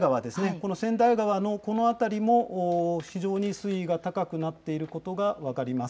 この千代川のこの辺りも、非常に水位が高くなっていることが分かります。